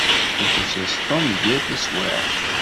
Iḥuss-as Tom d yir taswiɛt.